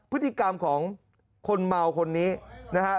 พฤติกรรมของคนเมาคนนี้นะครับ